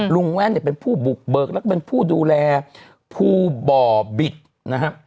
ลุงแว่นเป็นผู้บุบเบิกและเป็นผู้ดูแลผู้บ่อบิดนะครับ